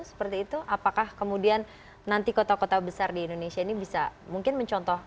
seperti itu apakah kemudian nanti kota kota besar di indonesia ini bisa mungkin mencontoh